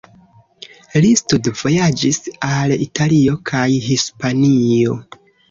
Li studvojaĝis al Italio kaj Hispanio.